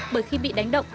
bởi khi bị đánh động